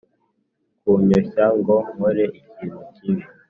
Kunyoshya ngo nkore ikintu kibi